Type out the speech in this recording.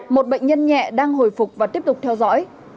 một bệnh nhân nhẹ đang hồi phục và tiếp tục theo dõi